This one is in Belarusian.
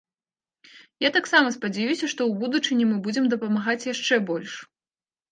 Я таксама спадзяюся, што ў будучыні мы будзем дапамагаць яшчэ больш.